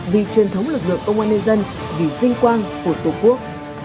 vì truyền thống lực lượng công an nhân dân vì vinh quang của tổ quốc